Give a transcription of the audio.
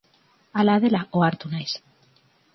Hala dela ohartu naiz.